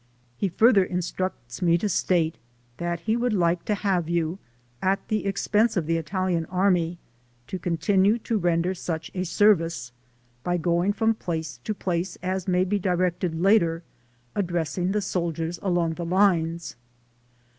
He further in structs me to state that he would like to have you, at the expense of the Italian Army, to continue to render such a service, by going from place to place as may be directed later, addressing the soldiers along the lines."